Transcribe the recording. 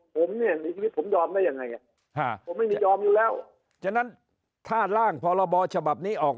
ผมได้ยอมได้ยังไงยอมอยู่แล้วถ้าร่างพลบฉบับนี้ออก